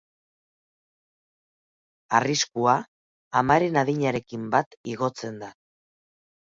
Arriskua amaren adinarekin bat igotzen da.